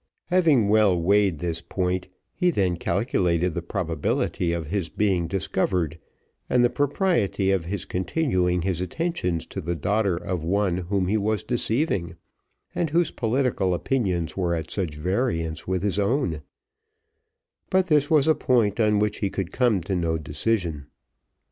Having well weighed this point, he then calculated the probability of his being discovered, and the propriety of his continuing his attentions to the daughter of one whom he was deceiving, and whose political opinions were at such variance with his own but this was a point on which he could come to no decision.